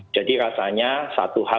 jadi rasanya satu hal